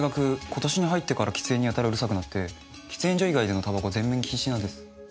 今年に入ってから喫煙にやたらうるさくなって喫煙所以外での煙草は全面禁止なんです。